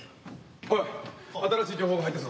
おい新しい情報が入ったぞ。